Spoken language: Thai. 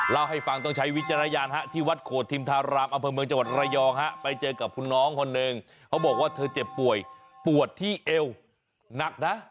เล่าให้ฟังต้องใช้วิจารณญาณที่วัดโขดทิมธารามอำเภอเมืองจังหวัดระยองฮะไปเจอกับคุณน้องคนหนึ่งเขาบอกว่าเธอเจ็บป่วยปวดที่เอวหนักนะ